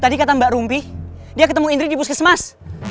tadi kata mbak rumpi dia ketemu indri di puskesmas